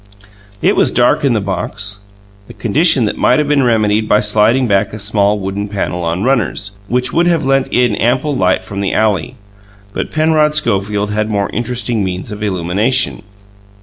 It was dark in the box, a condition that might have been remedied by sliding back a small wooden panel on runners, which would have let in ample light from the alley; but Penrod Schofield had more interesting means of illumination.